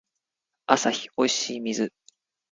アサヒおいしい水